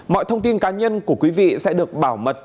mọi thông tin cá nhân của quý vị sẽ được bảo mật